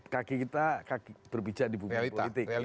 kaki kita berpijak di bumi politik